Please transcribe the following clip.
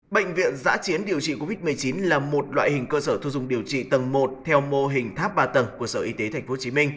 bệnh viện giã chiến điều trị covid một mươi chín là một loại hình cơ sở thu dung điều trị tầng một theo mô hình tháp ba tầng của sở y tế tp hcm